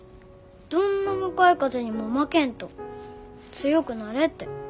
どんな向かい風にも負けんと強くなれって。